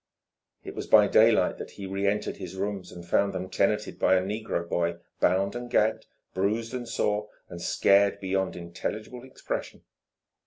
It was by daylight that he reentered his rooms and found them tenanted by a negro boy bound and gagged, bruised and sore, and scared beyond intelligible expression.